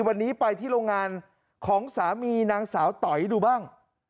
วันนี้ไปที่โรงงานของสามีนางสาวต่อยดูบ้าง